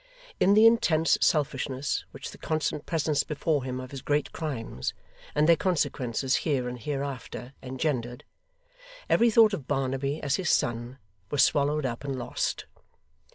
In the intense selfishness which the constant presence before him of his great crimes, and their consequences here and hereafter, engendered, every thought of Barnaby, as his son, was swallowed up and lost.